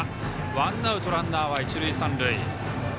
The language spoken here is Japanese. ワンアウト、ランナーは一塁三塁。